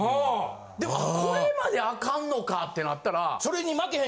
でもこれまでアカンのかってなったら。